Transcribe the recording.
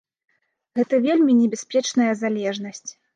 Гэта вельмі небяспечная залежнасць.